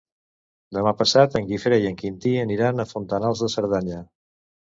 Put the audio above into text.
Demà passat en Guifré i en Quintí aniran a Fontanals de Cerdanya.